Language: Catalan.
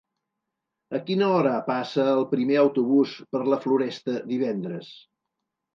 A quina hora passa el primer autobús per la Floresta divendres?